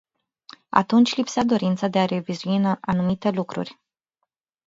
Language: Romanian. Atunci lipsea dorința de a revizui anumite lucruri.